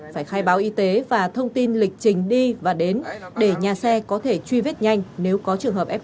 phải khai báo y tế và thông tin lịch trình đi và đến để nhà xe có thể truy vết nhanh nếu có trường hợp f một